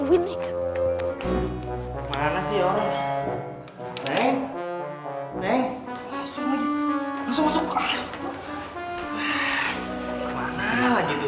wah kemana lagi itu sih